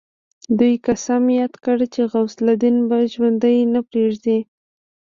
دوی قسم ياد کړ چې غوث الدين به ژوندی نه پريږدي.